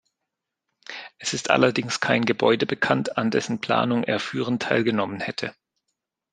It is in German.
Es ist allerdings kein Gebäude bekannt, an dessen Planung er führend teilgenommen hätte.